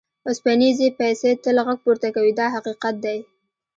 اوسپنیزې پیسې تل غږ پورته کوي دا حقیقت دی.